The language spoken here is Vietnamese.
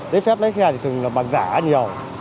giấy phép lái xe thì thường là bằng giả nhiều